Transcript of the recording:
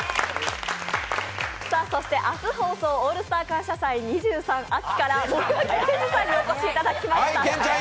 そして明日放送、「オールスター感謝祭’２３秋」から森脇健児さんにお越しいただきました。